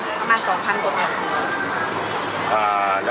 ประมาณสองพันกว่าค่ะ